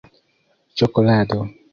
ĉokolado